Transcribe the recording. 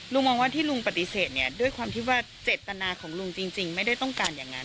มองว่าที่ลุงปฏิเสธเนี่ยด้วยความที่ว่าเจตนาของลุงจริงไม่ได้ต้องการอย่างนั้น